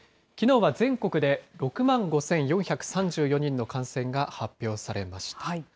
きのうは全国で６万５４３４人の感染が発表されました。